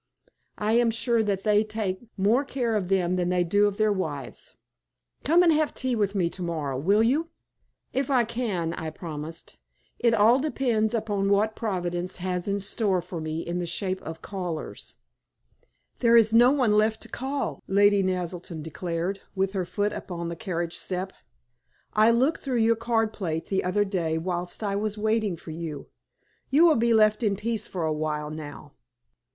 I am sure that they take more care of them than they do of their wives. Come and have tea with me to morrow, will you?" "If I can," I promised. "It all depends upon what Providence has in store for me in the shape of callers." "There is no one left to call," Lady Naselton declared, with her foot upon the carriage step. "I looked through your card plate the other day whilst I was waiting for you. You will be left in peace for a little while now."